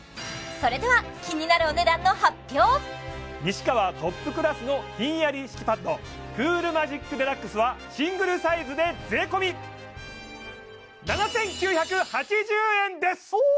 それでは気になる西川トップクラスのひんやり敷パッドクールマジックデラックスはシングルサイズで税込７９８０円ですおお！